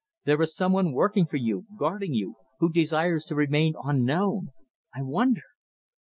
There is some one working for you, guarding you, who desires to remain unknown. I wonder!"